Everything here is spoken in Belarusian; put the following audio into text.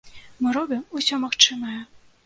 Мы робім усё магчымае!